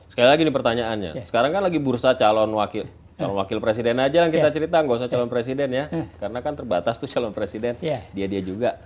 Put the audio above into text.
sekali lagi nih pertanyaannya sekarang kan lagi bursa calon wakil presiden aja yang kita cerita nggak usah calon presiden ya karena kan terbatas tuh calon presiden dia dia juga